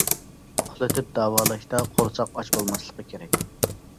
ئۇخلىتىپ داۋالاشتا قورساق ئاچ بولماسلىقى كېرەك.